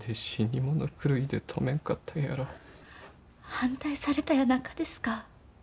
反対されたやなかですか。